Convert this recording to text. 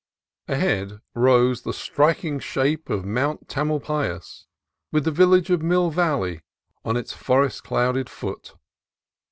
Ahead rose the striking shape of Mount Tamalpais, with the vil lage of Mill Valley on its forest clouded foot.